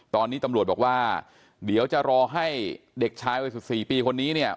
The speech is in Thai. ตอนนี้ตำรวจบอกว่าเดี๋ยวจะรอให้เด็กชายวัย๑๔ปีคนนี้เนี่ย